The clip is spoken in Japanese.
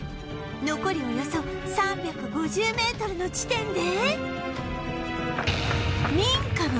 残りおよそ３５０メートルの地点で